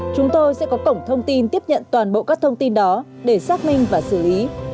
chúng tôi sẽ có cổng thông tin tiếp nhận toàn bộ các thông tin đó để xác minh và xử lý